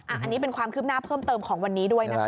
อันนี้เป็นความคืบหน้าเพิ่มเติมของวันนี้ด้วยนะคะ